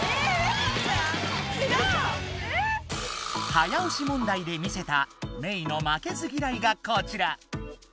早押し問題で見せたメイの負けず嫌いがこちら。